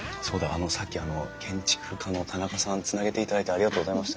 あのさっき建築家の田中さんつなげていただいてありがとうございました。